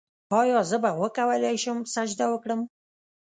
ایا زه به وکولی شم سجده وکړم؟